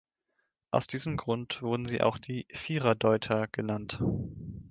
Aus diesem Grund wurden sie auch die „Vierer-Deuter“ genannt.